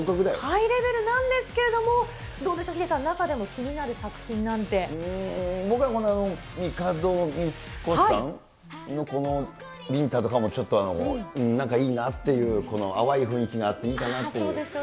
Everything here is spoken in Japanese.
ハイレベルなんですけれども、どうでしょう、ヒデさん、中でもうーん、僕は、みかどみすこさんのこのビンタとかもちょっと、なんかいいなっていう、淡い雰囲気があっていいかなっていう。